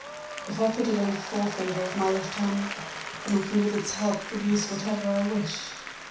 If I put it on the forefinger of my left hand, then I can with its help produce whatever I wish.